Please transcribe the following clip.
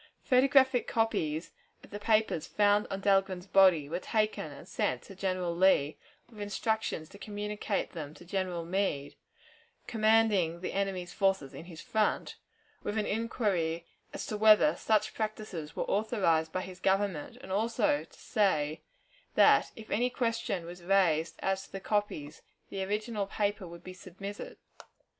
Photographic copies of the papers found on Dahlgren's body were taken and sent to General Lee, with instructions to communicate them to General Meade, commanding the enemy's forces in his front, with an inquiry as to whether such practices were authorized by his Government, and also to say that, if any question was raised as to the copies, the original paper would be submitted.